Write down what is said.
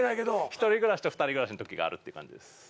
１人暮らしと２人暮らしのときがあるって感じです。